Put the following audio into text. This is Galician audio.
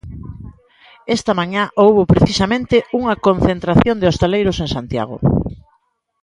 Esta mañá houbo, precisamente, unha concentración de hostaleiros en Santiago.